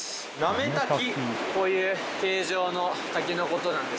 こういう形状の滝のことなんですね。